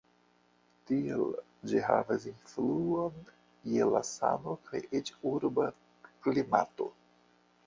Tiel ĝi havas influon je la sano kaj eĉ urba klimato.